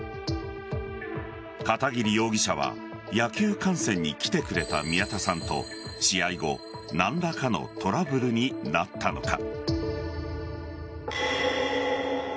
片桐容疑者は野球観戦に来てくれた宮田さんと試合後何らかのトラブルになったのか。